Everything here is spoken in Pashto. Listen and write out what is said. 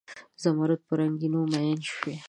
زمرود په رنګینیو میین شوي